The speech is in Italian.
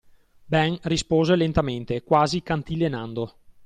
Ben rispose lentamente, quasi cantilenando.